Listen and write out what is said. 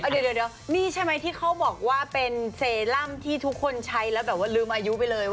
เดี๋ยวนี่ใช่ไหมที่เขาบอกว่าเป็นเซรั่มที่ทุกคนใช้แล้วแบบว่าลืมอายุไปเลย